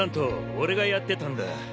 俺がやってたんだ。